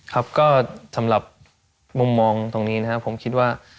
ครับก็สำหรับมุมมองตรงนี้นะครับผมคิดว่า